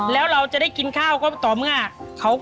แล้วเราจะได้กินข้าวก็ต่อเมื่อ